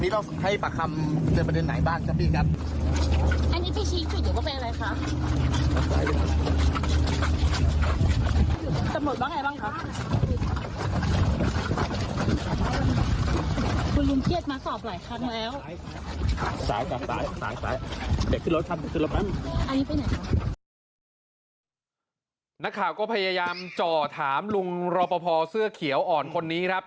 นักข่าวก็พยายามจ่อถามลุงรอปภเสื้อเขียวอ่อนคนนี้ครับ